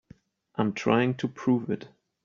I'm trying to prove it.